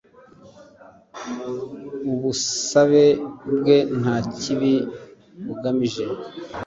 ubusabe bwe nta kibi bugamije